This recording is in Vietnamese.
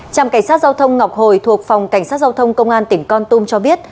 trạm cảnh sát giao thông ngọc hồi thuộc phòng cảnh sát giao thông công an tỉnh con tum cho biết